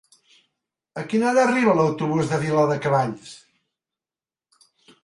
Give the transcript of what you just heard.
A quina hora arriba l'autobús de Viladecavalls?